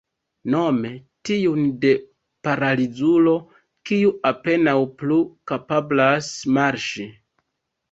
Nome tiun de paralizulo, kiu apenaŭ plu kapablas marŝi.